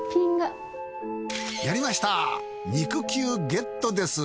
やりました肉球ゲットです。